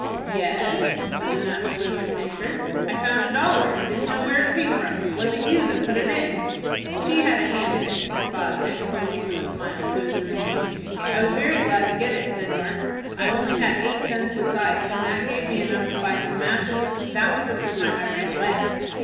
"Yes," said the match boy with interest. "I found a dollar, and didn't know where it came from. Was it you that put it in?" "He had a hand in it," said Fosdick, pointing with a smile to his room mate. "I was very glad to get it," said Mark. "I only had eight cents besides, and that gave me enough to buy some matches. That was at the time I ran away."